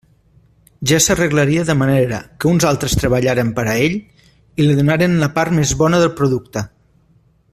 Ja s'arreglaria de manera que uns altres treballaren per a ell, i li donaren la part més bona del producte.